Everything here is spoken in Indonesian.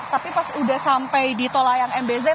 tapi pas sudah sampai di tolayang mbz